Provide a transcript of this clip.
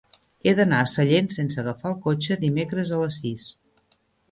He d'anar a Sallent sense agafar el cotxe dimecres a les sis.